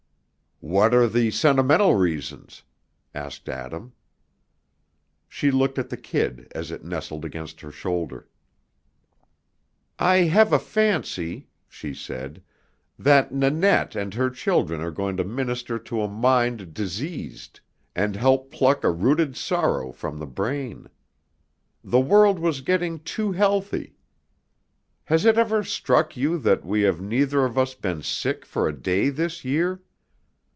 "What are the sentimental reasons?" asked Adam. She looked at the kid as it nestled against her shoulder. "I have a fancy," she said, "that Nannette and her children are going to minister to a mind diseased, and help pluck a rooted sorrow from the brain. The world was getting too healthy. Has it ever struck you that we have neither of us been sick for a day this year?